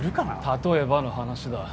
例えばの話だ。